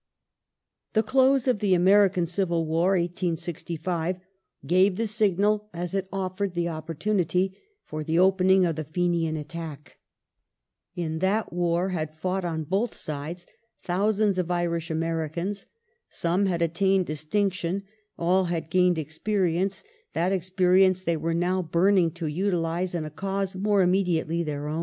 The close of the American Civil War (1865) gave the signal, as it offered the opportunity, for the opening of the Fenian attack. In that war had fought, on both sides, thousands of Irish Americans. Some had attained distinction, all had gained experience ; that ex perience they were now burning to utilize in a cause more im mediately their own.